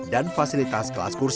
dan fasilitas kelas kursi